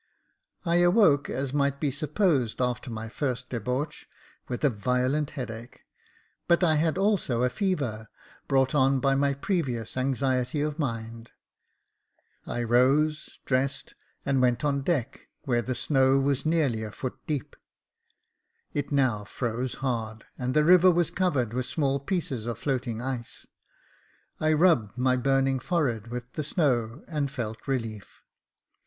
I awoke, as might be supposed, after my first debauch, with a violent headache, but I had also a fever, brought on by my previous anxiety of mind. I rose, dressed, and went on deck, where the snow was nearly a foot deep. It now froze hard, and the river was covered with small pieces of floating ice. I rubbed my burning forehead with the snow, and felt relief.